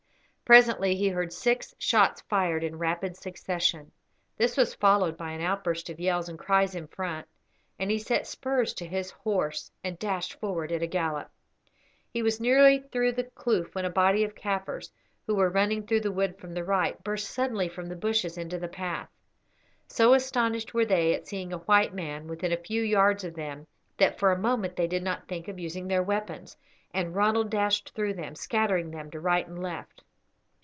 Presently he heard six shots fired in rapid succession. This was followed by an outburst of yells and cries in front, and he set spurs to his horse and dashed forward at a gallop. He was nearly through the kloof when a body of Kaffirs, who were running through the wood from the right, burst suddenly from the bushes into the path. So astonished were they at seeing a white man within a few yards of them that for a moment they did not think of using their weapons, and Ronald dashed through them, scattering them to right and left.